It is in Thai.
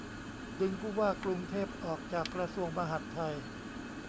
ดึง ผู้ว่ากรุงเทพ ออกจากกระทรวงมหาดไทย